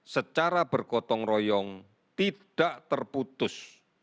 secara bergotong royong tidak terputus